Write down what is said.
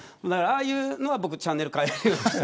ああいうのは僕チャンネル変えます。